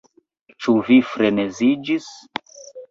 Ĉu vi freneziĝis?